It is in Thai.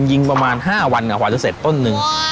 ยิงประมาณ๕วันกว่าจะเสร็จต้นหนึ่ง